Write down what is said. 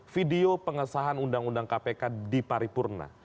video pengesahan undang undang kpk di paripurna